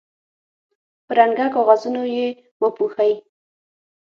په رنګه کاغذونو یې وپوښوئ.